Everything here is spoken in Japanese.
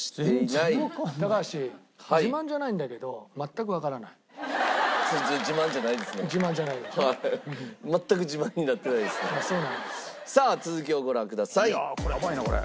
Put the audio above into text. いややばいなこれ。